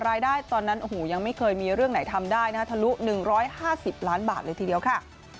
รายได้ตอนนั้นโอ้โหยังไม่เคยมีเรื่องไหนทำได้นะคะทะลุ๑๕๐ล้านบาทเลยทีเดียวค่ะ